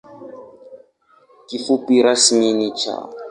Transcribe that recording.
Kifupi rasmi ni ‘Cha’.